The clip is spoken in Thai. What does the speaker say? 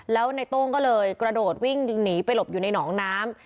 แล้วในโต้งก็เลยกระโดดวิ่งหนีไปหลบอยู่ในหนองน้ำ